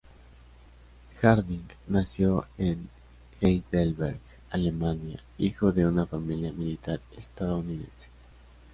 Harding nació en Heidelberg, Alemania, hijo de una familia militar estadounidense.